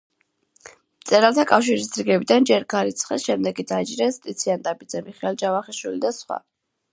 მწერალთა კავშირის რიგებიდან ჯერ გარიცხეს, შემდეგ კი დაიჭირეს ტიციან ტაბიძე, მიხეილ ჯავახიშვილი და სხვა.